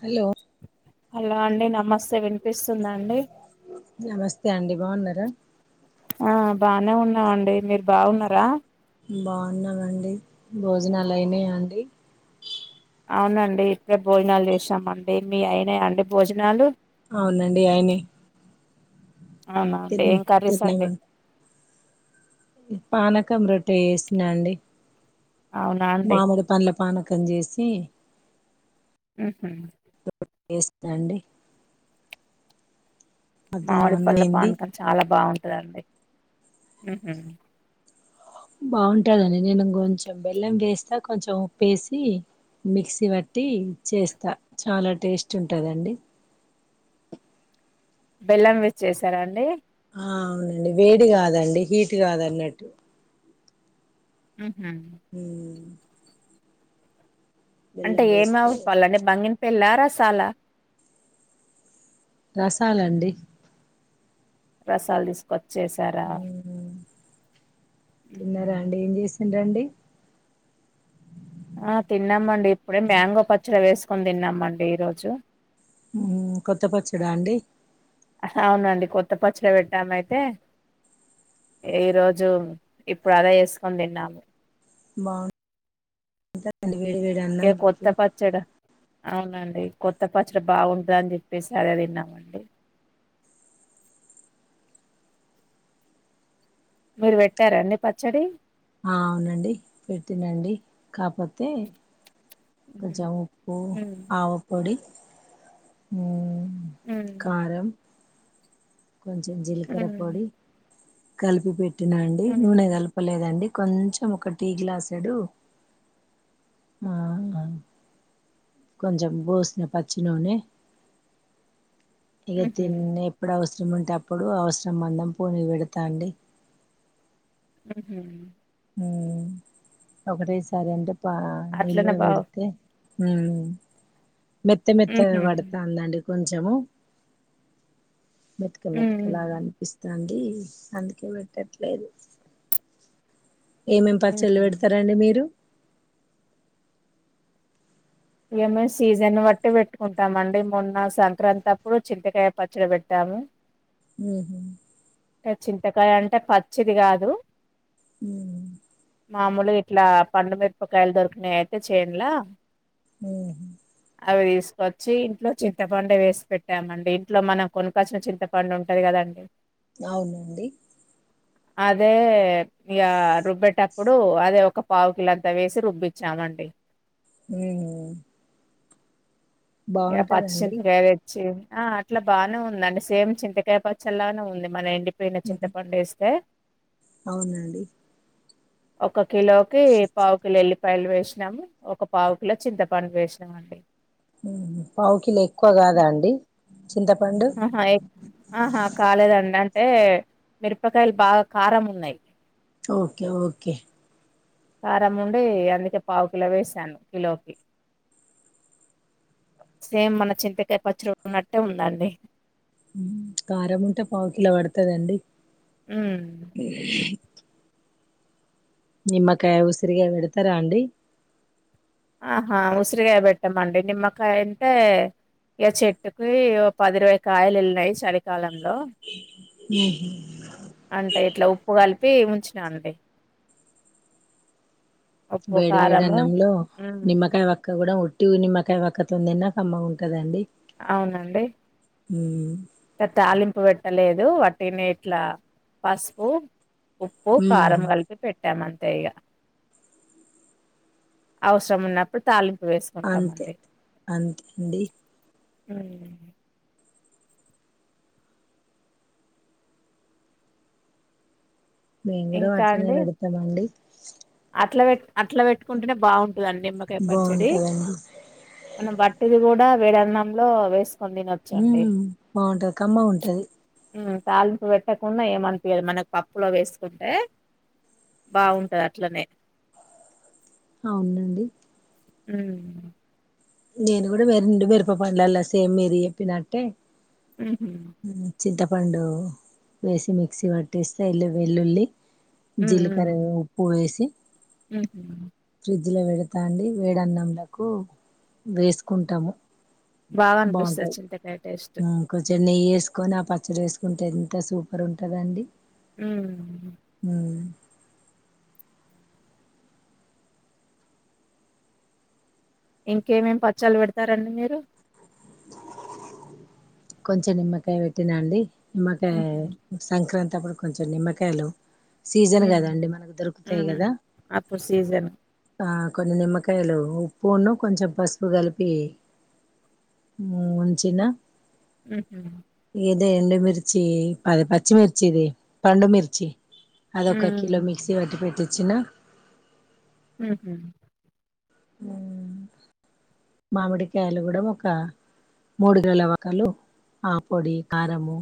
Hello hello అండి నమస్తే వినిపిస్తుందండి నమస్తేండి బాగున్నారా ఆ బానే ఉన్నావండి మీరు బాగున్నారా బాగున్నావండి భోజనాలు అయినా అండి అవునండి ఇప్పు భోజనాలు చేసామండి మీ అయినా అండి భోజనాలు అవునండి అయినయ్ అవునా అండి ఏం కర్రీస్ అండి తిన్నామండి పానకం రొట్టె చేసినా అండి అవునా అండి మామిడి పండ్ల పానకం చేసి ఉహు చేస్తున్నానండి మామిడి పళ్ళ పానకం చాలా బాగుంటుంది అండి ఉహుం బాగుంటాదండి నేను కొంచెం బెల్లం వేస్తా కొంచెం ఉప్పేసి మిక్సీ పట్టి చేస్తా చాలా టేస్ట్ ఉంటుందండి బెల్లం వేసి చేశారా అండి ఆ అవునండి వేడి కాదండి హీట్ కాదన్నట్టు అమ్ హుమ్ అంటే బెల్లం ఏమి వేస్తే మామిడి పండ్లు అండి బంగినపల్లి రసాల రసాలండి రసాలు తీసుకొచ్చ చేసారా తిన్నారాండి ఏం చేసిండ్రండి ఆ తిన్నామండి ఇప్పుడే మ్యాంగో పచ్చడి వేసుకొని తిన్నామండి ఈరోజు కొత్త పచ్చిడా అండి అవునండి కొత్త పచ్చలో పెట్టామయితే ఈరోజు ఇప్పుడు అదే వేసుకొని తిన్నాము బగు అడి వేడి వేడు ఇక కొత్త అన్నంలోకి పచ్చడి అవునండి కొత్త పచ్చడి బాగుంటద అని చెప్పేసి అదె తిన్నామండి మీరు పెట్టారండి పచ్చడి ఆ అవునండి పెట్టినండి కాపోతే ఉహు. కొంచెం ఉప్పు ఉమ్ ఆవ పొడి ఉమ్ ఉమ్ కారం కొంచెం జీలకర్ర ఉమ్ పొడి కలిపి పెట్ట టినండి నూనె ఉమ్ కలపలేదండి కొంచెం ఒక టీ గ్లాసేడు ఆ కొంచం పోసిన పచ్చి నూనె ఇగ ఉహు తిన్నన్నెప్పుడు అవస ము ఉంటే అప్పుడు అవసరం మందం పోనీ పెడతాండి ఉహ హు ఒకటే సారి అంటే పా నిల్వ అట్లనే బావు పెడుతే హ మెత్త మెత్తగా ఉహు పడుతండి అండి కొంచము మెతుక మెతుకలాగా ఉమ్ అనిపిస్తాంది అీ అందుకే పెట్టట్లేదు ఏమేం పచ్చళ్ళు ఉహు పెడతారండి మీరు ఏమే సీజన్ బట్టి పెట్టుకుంటామండి మొన్న సంక్రాంతి అప్పుడు చింతకాయ పచ్చడి పెట్టాము హ టే చింతకాయ అంటే పచ్చిది కాదు హ మామూలుగా ఇట్లా పండు మిరపకాయలు దొరికినాయి అయితే చేయన్లా ఆ అవి తీసుకొచ్చి ఇంట్లో చింతపండు వేసి పెట్టామండి ఇంట్లో మనం కొనుక్కొచ్చిన చింతపండు ఉంటది కదండి అవునండి అదే ఇక రుబ్బేటప్పుడు అదే ఒక పావుకిల అంతా వేసి రుబ్బచ్చామండి హ ఈగ పచ్చి చింతకాయ తెచ్చి ఆ అట్లా బాగానే ఉందండి సేమ్ చింతకాయపచ్చలానే ఉంది మన ఎండి న చింత ఉమ్ పండిేస్తే అవునండి ఒక కిలోకి పావు కిలో ఎల్లి పైలు వేసినాము ఒక పావుకులో చింతపండులు వేసినాం అండి పావుకిలో ఎక్కువ కాదా అండి చింతపండు ఆహా ఏ ఆహా కాలేదండి అంతే అంటే మిరపకాయలు బాగా కారం ఉన్నాయి ఓకే ఓకే కారం ఉండి అందుకే పావు కిలో వేసాను కిలోకి సేమ్ మన చింతకాయ పచ్చడి ఉన్నట్టే ఉందండి కారం ఉంటే పావు కిలో పడుతదండి ఊమ్ నిమ్మకాయ ఉసిరిగాయా పెడతారా అండి, ఆహా ఉసిరిగాయ పెట్టామండి నిమ్మకాయ అంటే ఇగా చెట్టుకి ఓ పదిరవై కాయలు వెళ్లినాయి చలికాలం, హలో ఉహు అంటే ఇట్లా ఉప్పు కలిపి ఉంచు, అండి ఉప్పు వేడి వేడి కారము అన్నంలో ఉమ్ నిమ్మకాయ వక్క కూడా ఉట్, టు నిమకాయ వక్క తోని తిన్న కమ్మగా ఉంటుదండి అవునండి ఉహు తాలింపు పెట్టలేదు వాటిగానే ఇట్లా పసుపు ఉప్పు కారం కలిపి పెట్టాము అంతే, అంతే ఇగ అవసరం ఉన్నప్పుడు తాలింపు అంతే వేసుకుంటామండి అంతే అండి, ఉహు మేము కూడ ఇంకా అట్లనే అండి పెడుతము అండి, అట్లా పెట్ అట్లా పెట్టుకుంటేనే బాగు నిమ్మకాయ పచ్చడి బాగుంటదండి మనం వట్దిది కూడా, వేడి అన్నంలో వేసు, ఉ బాగుంటది కమ్మగా ఉంటది, ఉమ్ తాలింపు పెట్టకున్న ఏమనిపియదు మనకు పప్పులో వేసు, అంటే బాగుంటది అట్లనే, అవునండి ఉ నేను కూడా మరండు మిరప పండ్లలా, సేమ్ మీర చెప్పినట్టే, ఉహు చింత పండు వేసి మిక్సీ పట్టేస్తే ఇల్లు వెల్లుల్లి, ఉమ్ జీల్కర ఉమ్ ఉప్పు వేసి, ఉహు ఫ్రిజ్ల పెడతాండి వేడి అన్నంలకు వేసుకుంటాము, బాగా అనిపిస్తది బాగుంటాది చింతకాయ టేస్ట్ కొంచెం నెయ్యి ఎసు, ఎకుని పచ్చడి వేసుకుంటే ఎంత సూపర్ ఉంటుందండి, ఉమ్ ఇంకే ఏమేమి పచ్చాలు పెడతారండి మీరు, కొంచెం నిమ్మకాయ పెట్టినాండి, మగ ఉహు సంక్రాంతి అప్పుడు కొంచెం నిమ్మకాయలు సీజన్ ఉమ్ కదాండి మనకు దొరుకుతాయి ఉమ్ కదా అప్పుడు సీజన్ కొన్ని నిమ్మకాయలు ఉప్పును కొంచెం పసుపు కలిపి ఉంచిన ఆ ఇదే ఎండుమిిర్చి పది పచ్చిమిిర్చి ఇది పండుమిిర్చి అదొ ఒక కిలో ఉమ్ మిక్సీ వట్టి పెట్టి చ్చిన హ అ మామిడికాయలు కూడా ఒక మూడు గవకాలు ఆ పొడి కారము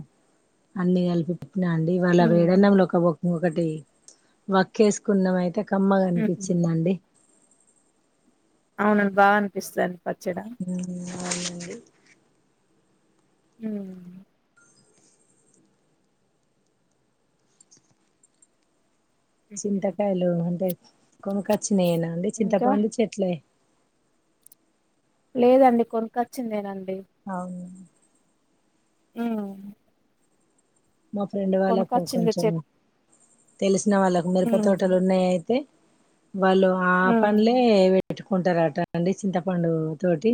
అన్నిీ కలిపి అండి వాళ్ళవేడి ఉమ్ అన్నములో ఒక ముద్ద. ఒకటి వక్కేసుకున్నామయితే ఉహు కమ్మగాకనిపించిందండి అవునను బా అనిపిస్తుాని ప హ అడి హ ఉహు చింతకాయలుఅంటే కొనుకచ్చ నేనా అండి ఇంకా చింతపండు చెట్లే లేదండి కొనుక్కొచ్చిందిేనంత అవును అ మా ఫ్రెండ్ వాళ్ళకు కొంచెం చెప్ తెలుసు ఇచ్చిన వాళ్ళకి అమెరపా ఉమ్ తోటలున్నాయిఆయితే వాళ్లు ఆ ఉమ్ పల్లె తెచ్చు కుంటారట అండి చింతపండు తోటి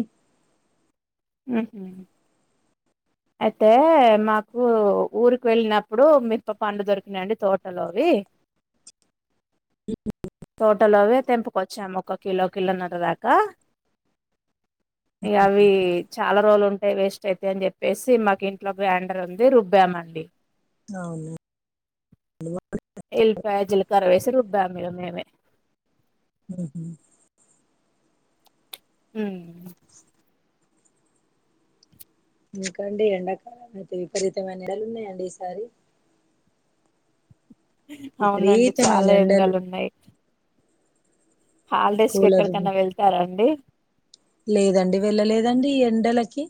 అయితే మాకు ఊరికి వెళ్ళినప్పుడు మిప్ప పండు దొరికినండి తోటలోవి ఇ తోటలోవే తెంపుకొచ్చాము ఒక కిలో కిలోన్నర దాకా యవి చాలా రోజులు ఉంటాయి వేస్ట్ అయితే అని చెప్పేసి మా ఇంట్లో గ్రాండర్ ఉంది రుబ్బామ అండి అవును ఎల్పాయ, జీలకర్ర వేసి రుబ్బామెలు మేమే [unintelligible] ఉహ్మ్ అ [unintelligible] ఎపండి ఎండాకాలం అయితే విపరీతమైన ఎడలు ఉన్నాయండి ఈసారి అవునండి విపరీతమైన చాలా ఎండాలు ఎండలు ఉన్నాయి. హాలిడేస్ కి కూలర్ ఎక్కడికన్నా వెళ్తారారండి. లేదండి వెళ్ళలేదండి ఈ ఎండలకి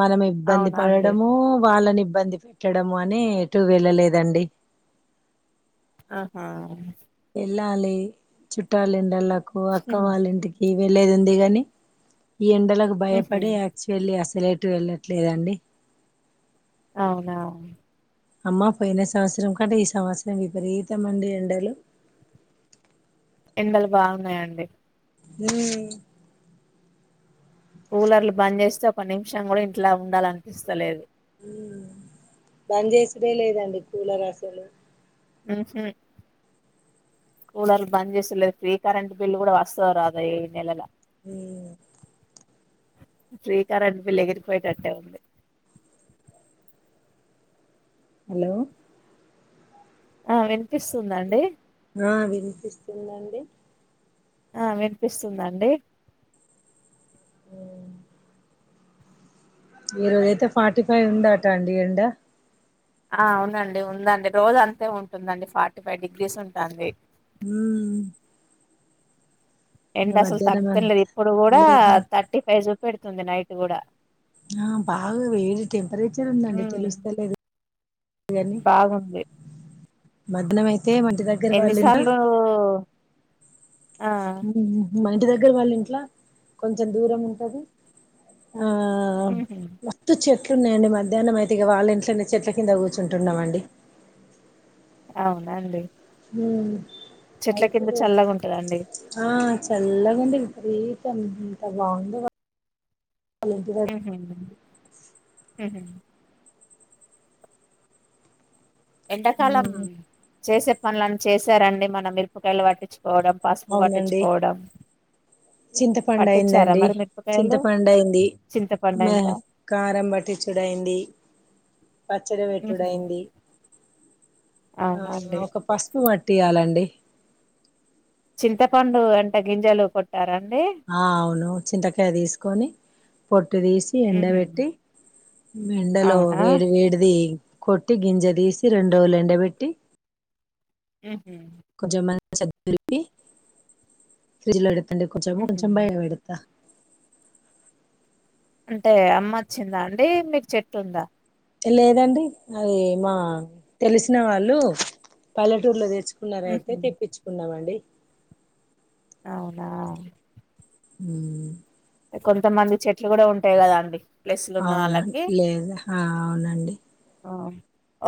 మనం ఇబ్బంది అవునా అండి పడడము వాళ్ళని ఇబ్బంది పెట్టడం. అని ఎటు వెళ్ళలేదండి ఆహా ఎల్లాలి చుట్టాలిండ్లలక్ కు అక్క ఉహు వాళ్ళ ఇంటికి వెళ్లేది ఉంది. కాని ఈ ఎండలకు ఉహు భయపడే యాక్చువల్లీ అస లేటు వెళ్ళట్లేదండి. అవునా అమ్మ పోయిన సంవత్సరం. కంటే ఈ సంవత్సరం విపరీతంమండి ఎండలు. ఎండలు బాగున్నాయండి. ఉహ్మ్ కూలర్లు బంద్ చేస్తే ఒక నిమిషం కూడా ఇంట్లా ఉండాలనిపిస్తలేదు. బంద్ చేసిడే లేదండి కూలర్ అసలు ఉహ్ హు కూలర్లు బంద్ చేసలేదు ఫ్రీ కరెంట్ బిల్లు కూడా వస్తదో రాదో ఈ నెలల ఉహ్ ఫ్రీ కరెంటు బిల్ ఎగిరిపోయేటట్టే ఉంది. హలో ఆ వినిపిస్తుంద అండి. ఆ వినిపిస్తుందండి ఆ వినిపిస్తుందండి ఉహ్ ఈరోజ అయితే ఫార్టీ ఫైవ్ ఉందాట అండి ఎండ. ఆ అవునండి ఉందండి రోజ అంతే ఉంటుందండి. ఫార్టీ ఫైవ్ డిగ్రీస్ ఉంటంది. ఉహ్మ్ ఎండా అసలు తగ్గుతలేదు అంతా ఇప్పుడు కూడా లేదండి థర్టీ ఫైవ్ చూ పెడుతుంది నైట్ కూడా ఆ బాగా వేడి టెంపరేచర్ ఉందండి. ఉమ్ తెలుస్తలేదు కాని బాగుంది మధ్యాహ్నమైతే మంటి దగ్గర వాళ్ళింట ఎన్నిసార్లు ఆ మరి ఇంటి దగ్గర వాళ్ళ ఇంట్లా కొంచెం దూరం ఉంటది ఆ ఉహు వతు చె ఎట్లున్నాయండి మధ్యాహ్నం అయితే ఇక వాళ్ళ ఇట్లనే చెట్ల కింద కూర్చుంటున్నామండి అవునండి ఉ చెట్ల కింద చల్లగా ఉంటదండి చెల్లకండ విపరీతంంత బాగుంది ఉహ హ ఎండాకాలం చేసే పనుని చేశారండి మన మిరపకాయలు వాటి పకోవడం పసుపు అవునండి పట్టించుకోవడం చింతపండు పట్టించారా అయిందండి మరి మిరపకాయలు చింతపడు అయింది చింతపండు మ అయిందా కారం పట్టి చూడ అయింది పచ్చడి ఉహు పెట్టుడైంది ఆ అవునండి ఒక పసుపు మాట్ తీయాలండి చింతపండు అంటే గింజలు పట్టారా ఆ అవును చింతకాయ తీసుకొని పొట్టు తీసి ఎండ ఉహు పెట్టి ఎండలో అవునా వేడి వేడిది కొట్టి గింజ తీసి రెండోలు ఎండబెట్టి ఉహ కొంచమంది చరిపి ఫ్రిడ్జ్ లో ఎ అంటే కొంచెం ఉహు కొంచెం భయంం ఎడత అంటే అమ్మ వచ్చిందా అండి మీకు చెట్టుందా లేదండి అది మా తెలిసిన వాళ్ళు పల్లెటూర్లో తెచ తెుకున్నార అయితే ఉహు తెప్పించుకున్నామ అండి అవునా హ కొంతమంది చెట్లు కూడా ఉంటాయి కదా అండి ప్లేస్లు ఉన్న అవునం వాళ్ళకి లేద అవునండి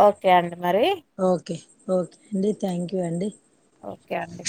ఓకే అండి. మరి ఓకే ఓకే అడి థ్యాంక్ యూ అండి. ఓకే అండి